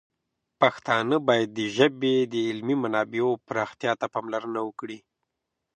پښتانه باید د ژبې د علمي منابعو پراختیا ته پاملرنه وکړي.